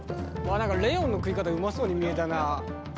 あ何かレオンの食い方うまそうに見えたな。